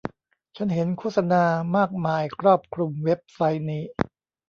ฉันเห็นโฆษณามากมายครอบคลุมเว็บไซต์นี้